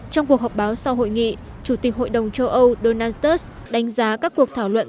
trong cuộc họp báo sau hội nghị chủ tịch hội đồng châu âu donald sturz đánh giá các cuộc thảo luận